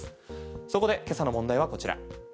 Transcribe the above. そこで今朝の問題はこちら。